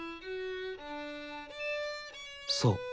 そう。